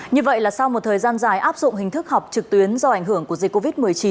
như vậy là sau một thời gian dài áp dụng hình thức học trực tuyến do ảnh hưởng của dịch covid một mươi chín